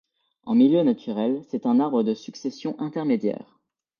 En milieu naturel, c'est un arbre de succession intermédiaire.